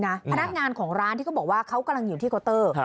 พนักงานของร้านที่เขาบอกว่าเขากำลังอยู่ที่เคาน์เตอร์